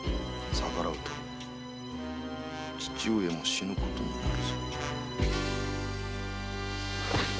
逆らうと父上も死ぬことになるぞ。